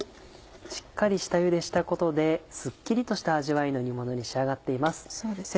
しっかり下ゆでしたことでスッキリとした味わいの煮ものに仕上がっています。